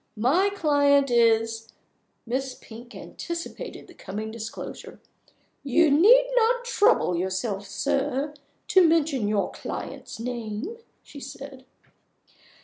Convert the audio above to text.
My client is " Miss Pink anticipated the coming disclosure. "You need not trouble yourself, sir, to mention your client's name," she said.